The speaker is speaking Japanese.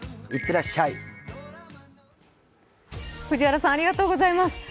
藤原さんありがとうございます。